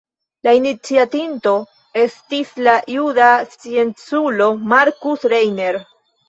La iniciatinto estis la juda scienculo Markus Reiner.